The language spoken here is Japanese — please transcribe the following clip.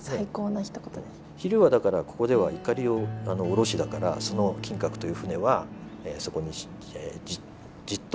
昼はだからここでは「碇を下ろし」だからその金閣という船はそこにじっとたたずんでる。